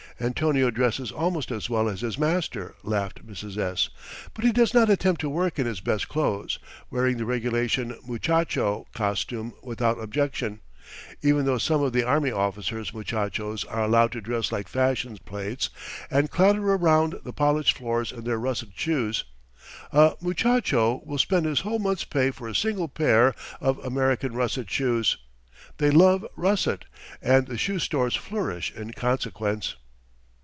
Antonio dresses almost as well as his master," laughed Mrs. S. "But he does not attempt to work in his best clothes, wearing the regulation muchacho costume without objection, even though some of the army officers' muchachos are allowed to dress like fashion plates, and clatter round the polished floors in their russet shoes. A muchacho will spend his whole month's pay for a single pair of American russet shoes. They love russet, and the shoe stores flourish in consequence."